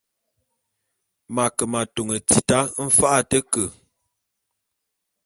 M’ ake m’atôn tita mfa’a a te ke.